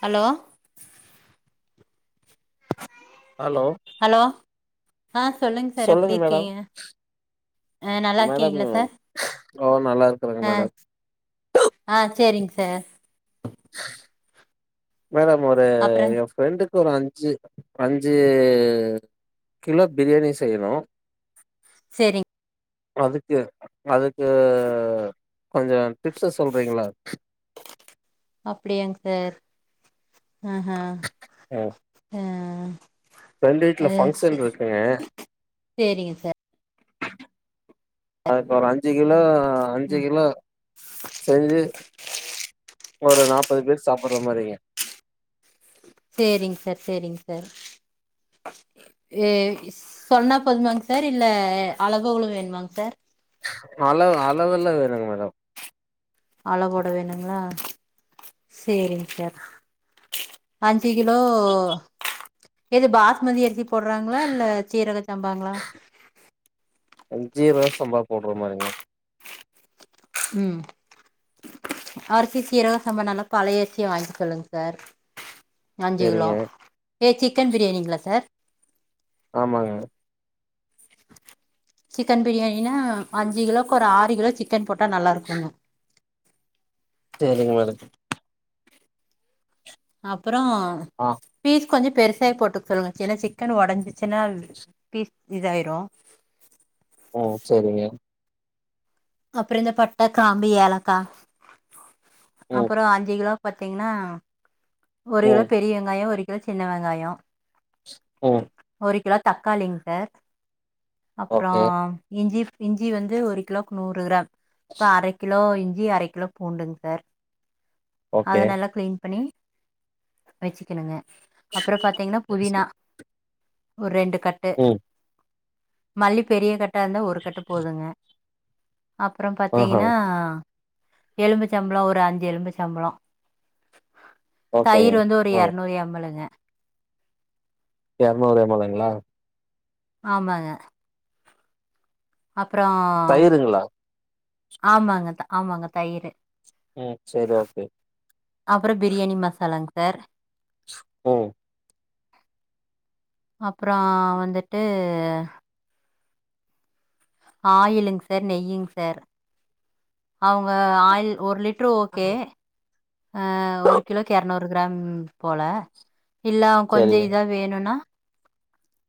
Hello hello hello ஆ சொல்லுங்க sir எப்டி இருக்கீங்க அ நல்லா மேடம் இருக்கீங்ளா சார் ஓ நல்லா இருக்கறங்க அ மேடம் ஆ சேரிங்க சார் மேடம் ஒரு அப்புறங் எ ஃப்ரெண்டுக்கு ஒரு அஞ்சு அஞ்சு கிலோ பிரியாணி செய்யணு செரி அதுக்கு அதுக்கு கொஞ்சோ டிப்சு சொல்றீங்ளா அப்டியாங்க சார் ஆஹா என் அ ஃப்ரெண்டு வீட்ல ஃபங்க்ஷன் இருக்குங்க சேரிங்க சார் அதுக்கு ஒரு அஞ்சு கிலோ அஞ்சு ம் கிலோ செஞ்சு ஒரு நாப்பது பேரு சாப்புற்ற மாரிங்கே சேரிங்க சார் செரிங்க சார் இது சொன்னா போதுமாங் சார் இல்ல அளவுகளு வேணுமாங் சார் அளவு அளவு எல்ல வேனுங்க மேடம் அளவோட வேணுங்ளா சேரிங்க சார் அஞ்சு கிலோ எது பாஸ்மதி அரிசி போட்றாங்ளா இல்ல சீரக சம்பாங்ளா ஜீரக சம்பா போட்ற மாரிங்க ம் அரிசி சீரக சம்ப நல்லா பழைய அரிசியா வாங்கிக சொல்லுங்க சார் அஞ்சு கிலோ சேரிங்க ஏ சிக்கன் பிரியாணிங்களா சார் ஆமாங்க சிக்கன் பிரியாணினா அஞ்சு கிலோவுக்கு ஒரு ஆறு கிலோ சிக்கன் போட்டா நல்லாஇருக்குங்க செரிங்க மேடம் அப்பறோ ஆ பீஸ் கொஞ்சோ பெருசாவே போட்டுக்க சொல்லுங்க ஏனா சிக்கன் உடஞ்சிச்சின்னா பீஸ் பீஸ் ஆயிரு ஓ செரிங்க அப்பறோ இந்த பட்டை கிராம்பு ஏலக்காய் ம் அப்பறோ அஞ்சு கிலோ பாத்தீங்ன்னா ஒரு கிலோ ம் பெரிய வெங்காய ஒரு கிலோ சின்ன வெங்காய ஸ் ஓ ஒரு கிலோ தக்காளிங்க சார் அப்பறோ ஓகே இஞ்சி இஞ்சி வந்து ஒரு கிலோக்கு நூறு கிராம் அப்ப அரை கிலோ இஞ்சி அரை கிலோ பூண்டுங்க சார் அத ஓகே நல்லா க்ளீன் பண்ணி வச்சுக்கணுங்க அப்பற பாத்தீங்ன்னா புதினா ஒரு ரெண்டு கட் டு ம் மல்லி பெரிய கட்டா இருந்த ஒரு கட்டு போதுங்க அப்பற ஆஹா பாத்தீங்ன்னா எலுமிச்ச பழம் ஒரு அஞ்சு எலுமிச்ச பழம் ஓகேங்க தயிர் வந்து ஒரு ம் இரநூறு எம்மழுங்க இரநூறு எம்மழுங்களா ஆமாங்க அப்பறோ தயிருங்களா ஆமாங்க ஆமாங்க தயிர் ம் சரி ஓகே அப்பறோ பிரியாணி மசாலாங்க சார் ஸ் ம் அப்பற வந்துட்டு ஆயிலுங்க சார் நெய்யுங்க சார் அவங்க ஆயில் ஒரு லிட்ரு ஓகே ஆ ஒரு கிலோக்கு இரநூறு கிராம் போல இல்ல அவன் கொஞ்சோ சரிங்க இத வேணுனா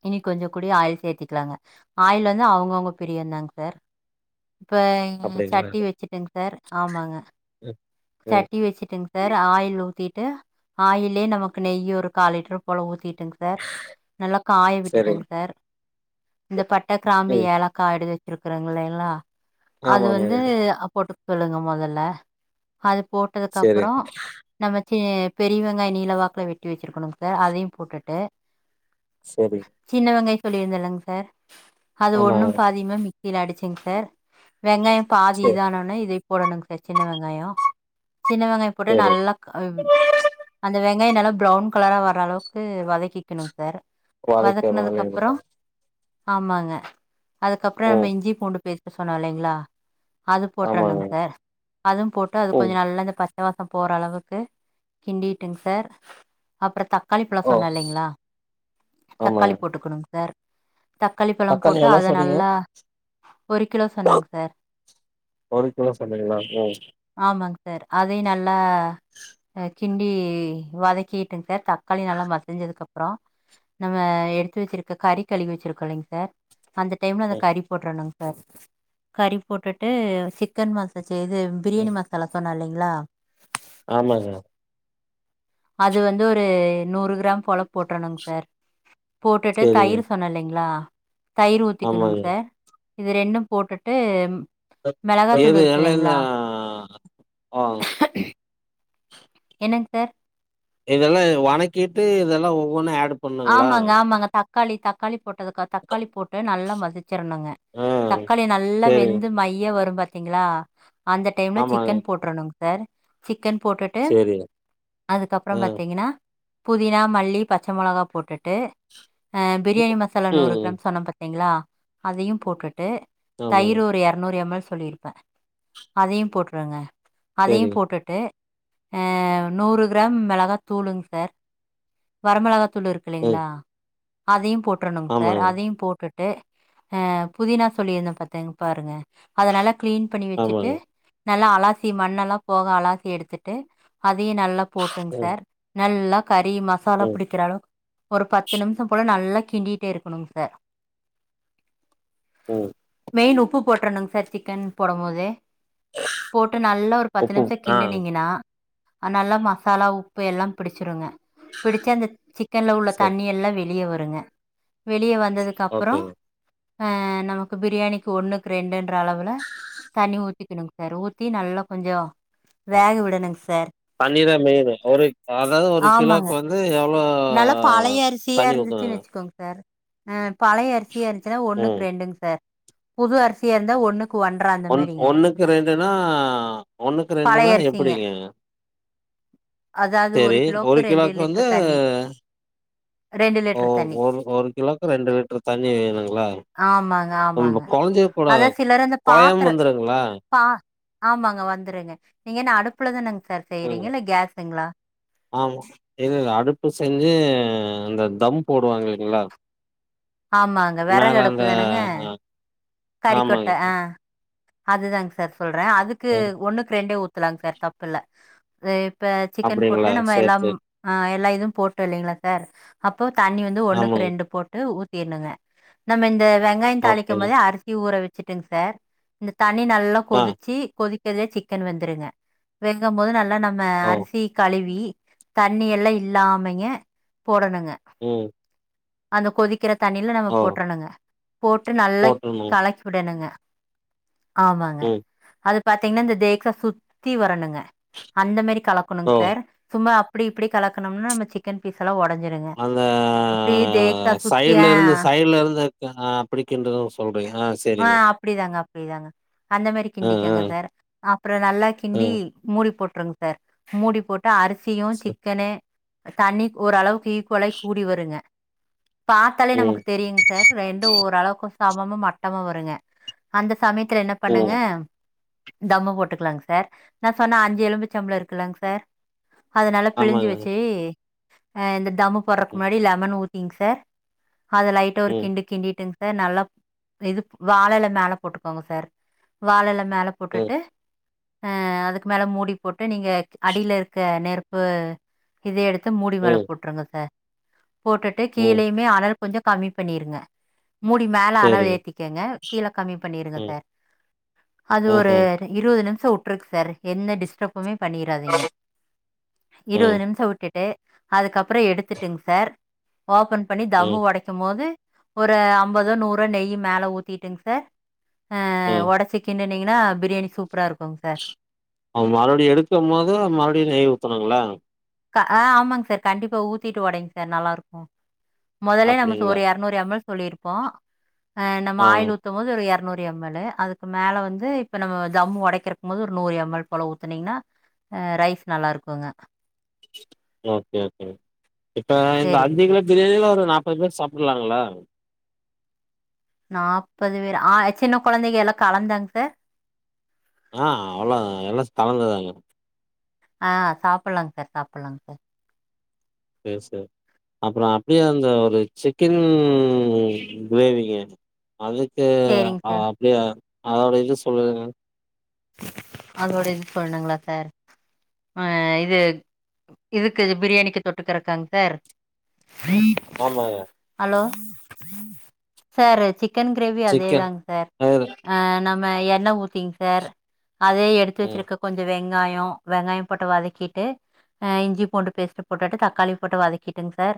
இனி கொஞ்ச கூடிய ஆயில் சேத்திக்கலாங்க ஆயில் வந்து அவங்கவுங்க பிரிய தாங்க சார் இப்ப அப்டிங்களா சட்டி வெச்சுட்ங்க சார் ஆமாங்க [unintelligible] சட்டி வெச்சுட்டங் சார் ஆயில் ஊத்திட்டு ஆயிலயே நமக்கு நெய்யி ஒரு கால் லிட்டரு போல ஊத்திட்டுங் சார் நல்லா காய சரி விட்டுட்டேங் சார் இந்த பட்ட கிராம்பு ம் ஏலக்காய் எடுத் வெச்சிருக்கறங்க இல்லலைங்களா ஆமா அது வந்து ஆமாங்க போட்டுக் சொல்லுங்க முதல்ல அது போட்டதுக் சரி அப்றோ நம்ம சி பெரி வெங்காயோ நீலவாக்கல வெட்டி வெச்சிருக்கணுங்க சார் அதையு போட்டுட்டு சரி சின்ன வெங்காயம் சொல்லிருந்தலங்க சார் அது ஆமாங்க ஒண்ணும் பாதிமா ம இதஅடிச்சுங் சார் வெங்காயம் பாதி சரி இத ஆனோன இத போடணுங் சார் சின்ன வெங்காயம் சின்ன வெங்காயம் போட்டு சரி நல்லா அந்த வெங்காயம் நல்லா ப்ரௌன் கலரா வர அளவுக்கு வதக்கிக்கணுங் சார் வாழைக்கரு வதக்குனதுக்கு அப்றோ இல்லைங்களா ஆமாங்க அதுக்கப்றோ ம் நம்ம இஞ்சி பூண்டு பேஸ்ட்டு சொன்னோ இல்லைங்களா அது ஆமாங்க போட்ருணுங் சார் அது போட்டு அது ம் கொஞ்ச ந ல்லா பச்சைவாசோ போற அளவுக்கு கிண்டிட்டுங் சார் அப்றோ தக்காளிப்பழோ ஓ சொன்னோ இல்லைங்களா ஆமாங்க தக்காளி போட்டுக்குணுங் சார் தக்காளி பழம் போட்டு எவ்ளோ அத சொன்னீங்க நல்லா ஒரு கிலோ சொன்னேங் சார் ஒரு கிலோ சொன்னீங்களா [unintelligible] ஆமாங்க சார் அதயு நல்லா அ கிண்டி வதக்கிட்டுங் சார் தக்காளி நல்லா மசிஞ்சதுக் அப்றோ நம்ம எடுத்து வெச்சிருக்க கறி கழுவி வெச்சிருக்கோ இல்லைங்க சர் அந்த டைம்ல அந்த ம் கறி போட்றணுங் கறி போட்டுட்டு சிக்கன் மசா செய்து பிரியாணி ம் மசாலா சொன்னே இல்லேங்ளா ஆமாங்க அது வந்து ஒரு நூறு கிராம் போல போட்டுரணுங் சார் போட்டுட்டு சரிங்க தயிர் சொன்னேயில்லேங்ளா தயிர் ஊத்திக்கணுங் ஆமாங்க சர் இது ரெண்டும் போட்டுட்டு ம் மிளகாத்தூள் ஏது இருக்கு இல்லைங்களா நல்லதுதா ஆ என்னங் சார் இதெல்லா இதுல வணக்கிட்டு இதெல்லா ஒவ்வொண்ணு ஏடு ஆமாங்க ஆமாங்க தக்காளி தக்காளி போட்டதுக்க தக்காளி போட்டு நல்லா மசிச்சரணுங்க ஆ தக்காளி நல்லா சரிங்க. வெந்து மைய வரும் பாத்தீங்ளா அந்த டைம்ல ஆமாங்க. சிக்கன் போட்டுரணுங் சார் சிக்கன் போட்டுட்டு சரிங்க. அதுக்கப்றோ ஆ. பாத்தீங்னா புதினா மல்லி பச்ச மொளகா போட்டுட்டு அ பிரியாணி மசாலா நூறு ம். கிராம் சொன்னம் பாத் திங்ளா அதயும் போட்டுட்டு ஆமாங்க. தயிர் ஒரு எரநூறு எம் எல் சொல்லிரு பே அதயு போட்ருங்க அதயு சரிங்க. போட்டுட்டு அ நூறு கிராம் மெளகா தூளுங் சார் வரமொளகா தூள் இருக் ம். இல்லைங்ளா அதையு போட்ரணுங் சார் ஆமாங்க, அதையு போட்டு ட்டு அ புதினா சொல்லிருந்தே பத்தேங் பாருங்க அத நல்லா க்ளீன் பண்ணி வெச்சிட்டு ஆமாங்க. நல்லா அலாசி மண்ணெல்லா போக அலாசி எடுத்துட்டு அதையு நல்லா போட்டுங் ம், சார் நல்லா கறி மசாலா ம், புடிக்கிற‌ அளவுக் ஒரு பத்து நிமிஷோ போல நல்லா கிண்டிட்டே இருக்கணுங் சார் ம். மெயின் உப்பு போட்ரனுங் சர் சிக்கன் போடம் போதே போட்டு நல்லா ஒரு பத்து உப்பு நிமிஷோ ஆ கிண்டுனீங்னா அது நல்லா மசாலா உப்பு எல்லா பிடிச்சிருங்க பிடிச்சி அந்த சி க்கன்ல உள்ள சரி. தண்ணி எல்லா வெளிய வருங்க வெளிய வந்ததுக்கு அப்றோ ஓகேங்க. அ நமக்கு பிரியாணிக்கி ஒண்ணுக்கு ரெண்டுன்ற அளவுல தண்ணி ஊத்திக்கணுங் சர் ஊத்தி நல்லா கொஞ்சோ ஓ வேக விடணுங்க சார் தண்ணீதா மெயினு ஒரு அதாது ஒரு ஆமாங்க கிலோக்கு வந்து எவ்ளோ நல்லா பழைய அரிசியா இருந்துச்சின் வச்சிக்கொங்க சார் அ பழைய அரிசியா இருந்திச்சினா ம். ஒன்னுக்கு ரெண்டுங்க சார் புது அரிசியா இருந்தா ஒண்ணுக்கு ஒன்ற ஒன் மாரிங்க ஒன்னுக்கு ரெண்டுனா ஒன்னுக்கு ரெண்டுனா பழைய அரிசிங்க எப்டிங்க அதாவது செரி ஒரு ரெண்டு கிலோக்கு வந்து லிட்டர் தண்ணி ரெண்டு ஓ லிட்டர் தண்ணி ஒரு ஒரு கிலோக்கு ரெண்டு லிட்ரு தண்ணி வேணுங்ளா ஆமாங்க ஆமாங்க அதா சிலரு அந்த கொழையாம பாத்திர வந்துருங்களா பா ஆமாங்க வந்துருங்க நீங்க என்ன அடுப்புல தானங்க சார் ம். செய்ரிங்க இல்ல கேஸ்சுங்கள ஆமா இல்லல அடுப்பு செஞ்சி அந்த தம் போடுவாங்க இல்லைங்களா ஆமாங்க மேல விறகு அந்த அடுப்பு தானங்க அ கறிக்கொட்ட ஆ அதுதாங்க சார் சொல்ற அதுக்கு ஒன்னுக்கு ரெண்டே ஊத்தலாங் சார் தப் பில்ல அது இப்ப சிக்கன் போட்டு அப்டிங்களா நம்ம சேரி எல்லாம் சேரி ஆ எல்லா இதும் போட்டோ இல்லைங்ளா சார் அப்போ தண்ணி வந்து ஒண்ணுக்கு ஆமாங்க ரெண்டு போட்டு ஊத்திருனுங்க நம்ம இந்த வெங்காயோ தாளிக்கு ஓகேங்க போதே அரிசிய ஊற வச்சிட்டுங்க சார் இந்த தண்ணி நல்லா ஆ கொதிச்சி கொதிக்றலே சிக்கன் வெந்துருங்க வெங்கும் போது நல்லா நம் ம ஓ அரிசி கழுவி தண்ணி எல்லா இல்லாமங்கே போடணுங்க ம் அந்த கொதிக்கிற தண்ணியில நம்ம ஓ போட்டுரணுங்க போட்டு நல்லா போட்றணு [unintelligible] விடனுங்க ஆமாங்க ம் அது பார்த்தீங்கன்னா இந்த தேக்சா சுத்தி வரணுங்க அந்த மேரி கலக்கணுங்க ஓ சார் சும்மா இப்டி இப்டி கலக்கணும்னா நம்ம சிக்கன் பீஸ்ல்லா ஒடஞ்சுரும் அந்த சுத்தி ஆ சைடுலருந்து சைடு்லருந்து ஆ அப்டிக்கின்றத சொல்றீங்க ஆ சேரிங்க அப்டிதாங்க அப்டிதாங்க அந்த மாரி ஆ ஆ கிண்டிக்கோங்க சார் அப்பற நல்லா ஆ கிண்டி மூடி போட்டுருங்க சார் மூடி போட்டு அரிசியு சரி. சிக்கனு தண்ணி ஓரளவு ஈக்குவலாய் கூடி வருங்க பாத்தாலே ம் நமக்கு தெரியுங்க சார் ரெண்டு ஓரளவுக்கு சமமும் மட்டமா வருங்க அந்த சமயத்துல என்ன பண்ணுங்க ம் தம் போட்டுக்கலாங்க சார் நா சொன்ன அஞ்சு எலும்புச்சம்பளம் இருக்கலங்க சார் அத நல்லா பிழிஞ்சு ஆமாங்க வச்சு ஆ இந்த தம் போடுறதுக்கு ம் முன்னாடி லெமன் ஊத்திங்க சார் அத லைட்டா ஒரு ம் கிண்டு கிண்டிட்டுங் நல்லா இது வாழையில மேல போட்டுக்கோங்க சார் வாழையில மேல ம் போட்டுட்டு அ அதுக்கு மேல மூடி போட்டு நீங்க அடியில இருக்க நெருப்பு இத எடுத்து மூடி மேல ம் போட்டுருங்க சார் போட்டுட்டு ம் கீழேயுமே அனல் கொஞ்சோ கம்மி பண்ணிருங்க மூடி மேல ஆனல் சேரிங்க ஏத் திகங்க கீழ கம்மி பண்ணிருங்க ம் சார் அது ஒரு ஆஹ இருவது நிமிஷ உட்ருக் சார் என்ன டிஸ்டர்ப் போமே பண்ணிறாதீங்க ஆ இருவது நிமிஷ விட்டுட்டு அதுக்கப்புற எடுத்துட்டுங்க சார் ஓப்பன் பண்ணி தம்மு ம், ஒடைக் கும் போது ஒரு அம்பதோ நூறோ நெய்யி மேல ஊத்திட்டுங்க சார் ம். ஒடச்சிக் கிண்டுனீங்கன்னா பிரியாணி சூப்பரா இருக்குங்க சார் ஆ மறுபடியு எடுக்கும் போது மறுபடியு நெய் ஊத்தனுங்களா க ஆ ஆமாங்க சார் கண்டிப்பா ஊத்திட்டு ஒடைங்க சார் நல்லாருக்கு மொதலே நம்ம அப்டிங்களா? ஒரு எர நூறு எம் எல் சொல்லிருப்போ ஆ நம்ம ஆயில் ஊத் தும் போது ஒரு எரநூறு எம் எல் அதுக்கு மேல வந்து இப்ப நம்ம தம் ஒடைக்கிறக்கும் போது ஒரு நூறு எம் எல் போல ஊத்துனீங்கன்னா ஆ ரைஸ் நல்லா இருக்குங்க ஓகே ஓகே இப்ப இந்த சரிங்க அஞ்சி சார் கிலோ பிரியாணியில ஒரு நாப்பது பேர் சாப்புலாங்களா நாப்பது பேரா ஆ சின்ன கொழந்தைங்க எல்லா கலந்தாங்க சார் ஆ அவ்வளோ எல்லா கலந்து தாங்க ஆ சாப்புட்லாங்க சார் சாப்புட்லாங்க சார் செரி செரி அப்புற அப்டியே அந்த ஒரு சிக்கன் கிரேவிங்க அதுக்கு சரிங்க ஆ சார் அப்டியே அதோட இது சொல்லுங்க மேம் அதோட இது சொல்லணுங்களா சார் ஆ இது இதுக்கு பிரியாணிக்கு தொட்டுக்குறக்காங்க சார் ஆமாங்க hello sir chicken gravy அதே சிக்கன் தாங்க சார் வேற. ஆ நம்ம எண்ணெ ஊத்திங்க சார் அதே எடுத் து ம், வச்சிருக்க கொஞ்ச வெங்காய வெங்காயம் போட்டு வதக்கிட்டு ஆ இஞ்சி பூண்டு பேஸ்ட்டு போட்டுட்டு தக்காளி போட்டு வதக்கிட்டுங்க சார்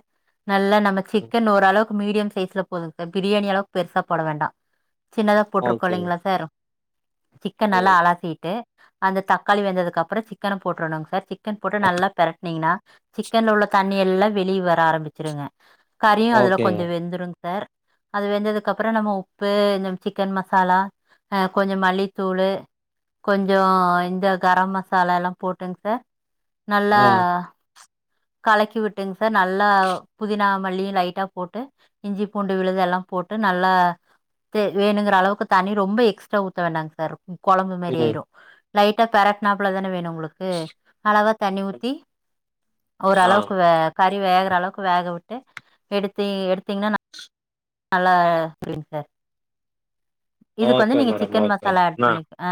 நல்லா நம்ம ம். சிக்கன் ஓரளவுக்கு மீடியம் சைஸ்ல போதுங்க சார் பிரியாணி அளவுக்கு பெருசா போட வேண்டா சின்னதா போட்டிருக்கோ ஓகேங்க. இல்லீங்களா சார் சிக்கன் நல்லா ம். அலசிட்டு அந்த தக்காளி வெந்ததுக்கு அப்புற சிக்கன போட்டுருணுங்க சார் சிக்கன் போட்டு நல்லா பெரட்டனீங்கன்னா சிக்கன்ல உள்ள தண்ணி எல்லாம் வெளியே வர ஆரம்பிச்சிருங்க கறியும் அதுல ஓகேங்க. கொஞ்ச வெந்துருங்க சார் அது வெந்ததுக்கு அப்புற நம்ம உப்பு சிக்கன் மசாலா ஆ கொஞ்சமல்லித்தூள் கொஞ்ச இந்த கரம் மசாலா எல்லா போட்டுங்க சார் நல்லா ஆ. கலக்கி விட்டுங்க சார் நல்லா புதினா மல்லியு லைட்டா போட்டு இஞ்சி பூண்டு விழுது எல்லா போட்டு நல்ல தே வேணுங்கிற அளவுக்கு தண்ணி ரொம்ப எக்ஸ்ட்ரா ஊத்த வேண்டாங்க சார் கொழம்பு மேரி ம். ஆயிரு லைட்டா பெரட்னாப்ல தானே வேணு உங்களுக்கு அளவா தண்ணி ஊத்தி ஆ. ஓரளவுக்கு வே கறி வேகுற அளவுக்கு வேகவிட்டு எடுத்து எடுத்தீங்கன்னா நல்லா அப்டிங்க சார் இதுக்கு ஓகே வந்து நீங்க madam, chicken okay. Masala add பண்ணிக் ஆ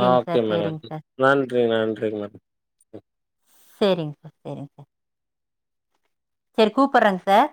ஆ ஓகே சார் மேட சேரிங்க சார் நன்றி நன்றிங்க மேட சேரிங்க சார் செரிக்க சார் செரி கூப்பட்றேங்க சார்